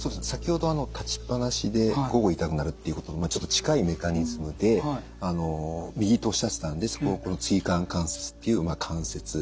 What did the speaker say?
先ほど立ちっぱなしで午後痛くなるっていうこととちょっと近いメカニズムで右とおっしゃってたんでそこはこの椎間関節っていう関節。